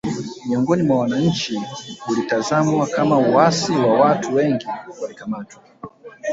Miongoni mwa wananchi ulitazamwa kama uasi na watu wengi walikamatwa